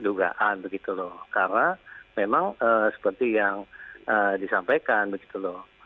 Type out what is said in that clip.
dugaan begitu loh karena memang seperti yang disampaikan begitu loh